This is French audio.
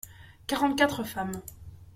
Quarante-quatre femmes.